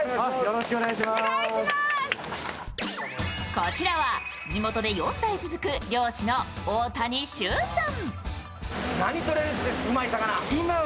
こちらは地元で４代続く漁師の大谷周さん。